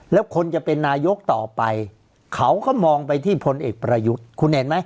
แล้วคนจะเป็นนายกต่อไปเขาก็มองไปที่พลเอกประยุทธ์คุณเห็นไหม